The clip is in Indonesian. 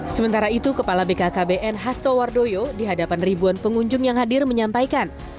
sementara itu kepala bkkbn hasto wardoyo di hadapan ribuan pengunjung yang hadir menyampaikan